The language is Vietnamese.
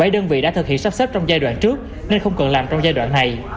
bảy đơn vị đã thực hiện sắp xếp trong giai đoạn trước nên không cần làm trong giai đoạn này